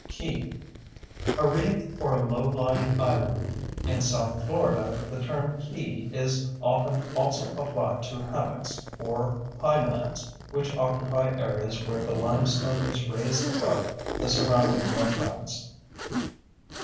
KEY: A reef or low lying island. In south Florida, the term "key" is often also applied to hammocks or pinelands, which occupy areas where the limestone is raised above the surrounding wetlands.